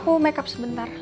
aku makeup sebentar